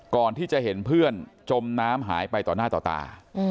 ก่อนที่จะเห็นเพื่อนจมน้ำหายไปต่อหน้าต่อตา